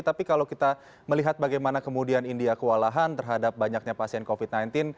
tapi kalau kita melihat bagaimana kemudian india kewalahan terhadap banyaknya pasien covid sembilan belas